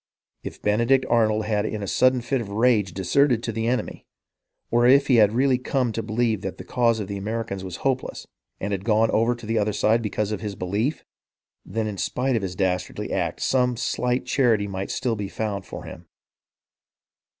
If Benedict Arnold had in a sudden fit of rage deserted to the enemy, or if he had really come to believe that the cause of the Americans was hopeless, and had gone over to the other side because of his belief, then in spite of his dastardly act some slight charity might still be found for him.